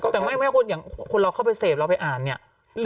แต่ไม่คนอย่างคนเราเข้าไปเสพเราไปอ่านเนี่ย